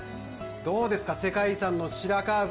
どうですか世界遺産の白川郷